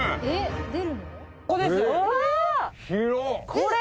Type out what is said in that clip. これ？